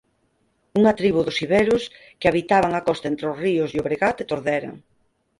Unha tribo dos iberos que habitaban a costa entre os ríos Llobregat e Tordera.